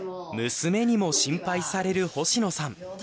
娘にも心配される星野さん。